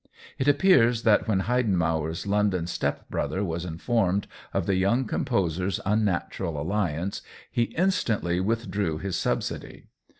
It appears that when Heidenmauer*s London step brother was informed of the young composer's un natural alliance he instantly withdrew his subsidy.